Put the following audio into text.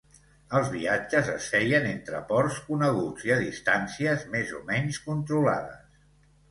Els viatges es feien entre ports coneguts i a distàncies més o menys controlades.